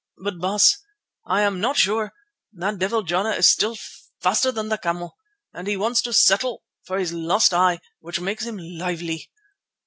But, Baas, I am not sure; that devil Jana is still faster than the camel, and he wants to settle for his lost eye, which makes him lively.